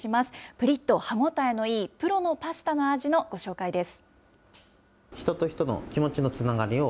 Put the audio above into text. ぷりっと歯応えのいい、プロのパスタの味のご紹介です。